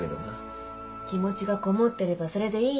気持ちがこもってればそれでいいの。